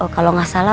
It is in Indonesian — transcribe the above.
kalau gak salah